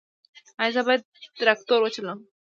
ایا زه باید تراکتور وچلوم؟